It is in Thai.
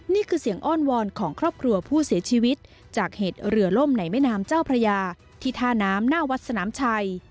นี่คือเสียงอ้อนวอนของครอบครัวผู้เสียชีวิตจากเหตุเรือล่มในแม่น้ำเจ้าพระยาที่ท่าน้ำหน้าวัดสนามชัย